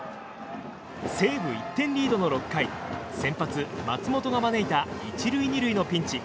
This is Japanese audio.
西武１点リードの６回先発、松本が招いた１塁２塁のピンチ。